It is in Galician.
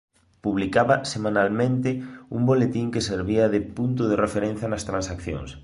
Publicaba semanalmente un boletín que servía de punto de referencia nas transaccións.